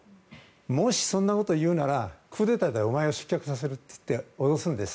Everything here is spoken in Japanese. もし、そんなことを言うならクーデターでお前を失脚させると言って脅すんです。